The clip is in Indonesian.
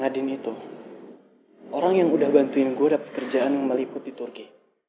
nadine itu orang yang udah bantuin gue dapet kerjaan yang meliput di turki